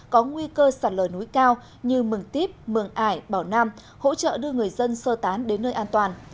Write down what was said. có nguy cơ sạt lở núi cao như mường tiếp mường ải bảo nam hỗ trợ đưa người dân sơ tán đến nơi an toàn